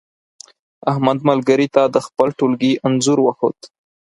احمد ملګري ته د خپل ټولگي انځور وښود.